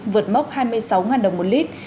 vượt mốc hai mươi sáu đồng một lít